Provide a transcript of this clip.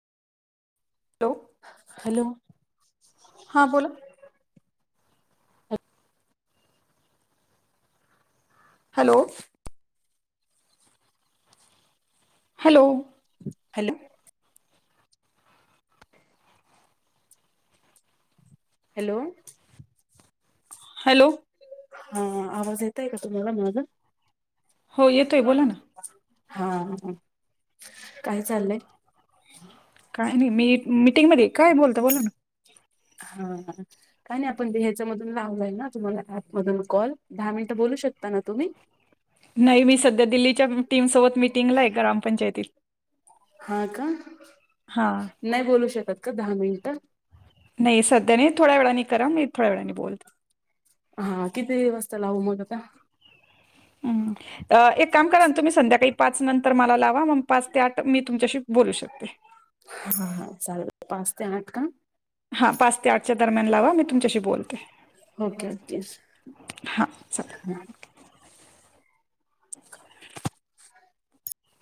Hello hello हां बोलां. Hello! Hello hello hello hello हां आवांज येतंय कां तुम्हांला माझां हो येतोय बोला ना हां कायं चाललंय कायं नाहीं मी मीटिंग मध्यें कायं बोलतं बोलां नांं हां हं कायं नाहीं आपणं ह्यांच्या मधूंन लावलंय नां तुम्हांला ऍप मधूंन कॉल दहा मिनिटं बोलूं शकतां नां तुम्हीं नाहीं मी संध्या दिल्लीच्या टीमसोबत मिटिंगला आहे ग्रामपंचायती सोबत हां कां हां नाहीं बोलूं शकतं कां दहा मिनिटं नाहीं संध्या नाहीं थोड्यां वेळांनी करां मी थोड्यां वेळांनी बोलते हां किती दिवसं चां लावूं मंग आंता एक कामं करां नं तुम्हीं संध्याकाळी पांच नंतर तरं मलां लांवा मंग पांच ते आठ मी तुमच्यांशी बोलूं शकते हां चालेल पांच ते आठ कां हां पांच ते आठच्या दरम्यांन लांवा मी तुमच्यांशी बोलते ओके ओके हां चालेल हा [unintelligible]